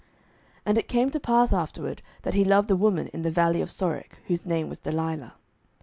07:016:004 And it came to pass afterward, that he loved a woman in the valley of Sorek, whose name was Delilah.